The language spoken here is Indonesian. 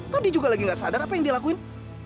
tadi juga lagi nggak sadar apa yang dia lakuin